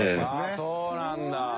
そうなんだ。